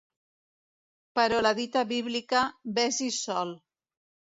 Però la dita bíblica, Ves-hi sol.